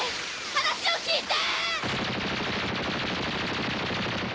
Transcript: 話を聞いて！